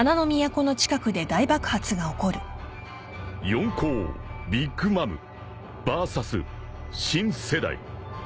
［四皇ビッグ・マムＶＳ新世代］